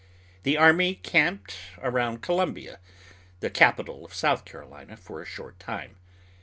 The army camped around Columbia, the capital of South Carolina, for a short time.